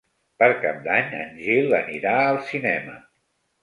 Per Cap d'Any en Gil anirà al cinema.